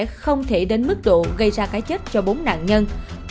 thực phẩm sẽ không thể đến mức độ gây ra cái chết cho bốn nạn nhân